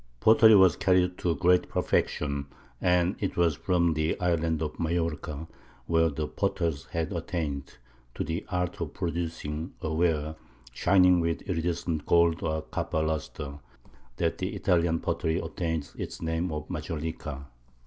Pottery was carried to great perfection, and it was from the island of Majorca, where the potters had attained to the art of producing a ware shining with iridescent gold or copper lustre, that the Italian pottery obtained its name of Majolica.